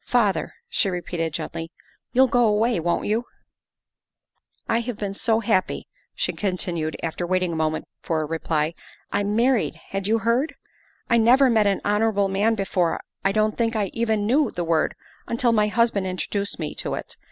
" Father," she repeated gently, " you'll go away, won 't you ?" I have been so happy," she continued, after waiting a moment for a reply. "I'm married, had you heard? I never met an honorable man before I don't think I even knew the word until my husband introduced me to it.